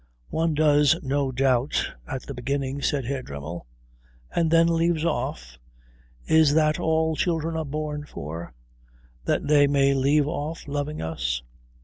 "One does, no doubt, at the beginning," said Herr Dremmel. "And then leaves off? Is that all children are born for, that they may leave off loving us?"